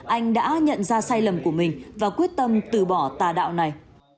anh đã nhận ra sai lầm của mình và quyết tâm từ bỏ tà đạo này